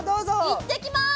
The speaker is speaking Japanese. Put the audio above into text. いってきます！